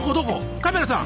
カメラさん